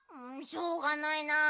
しょうがないなあ。